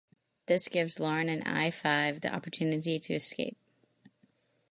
This gives Lorn and I-Five the opportunity to escape.